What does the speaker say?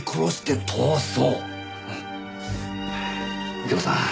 右京さん